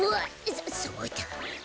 そそうだ。